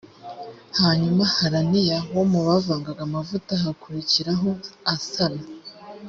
hanyuma hananiya wo mu bavangaga amavuta bakurikiraho asana